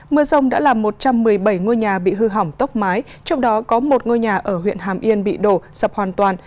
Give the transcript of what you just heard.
mưa rông đã làm một trăm một mươi bảy ngôi nhà bị hư hỏng tốc mái trong đó có một ngôi nhà ở huyện hàm yên bị đổ sập hoàn toàn